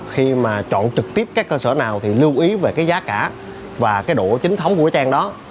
khi mà chọn trực tiếp các cơ sở nào thì lưu ý về cái giá cả và cái độ chính thống của trang đó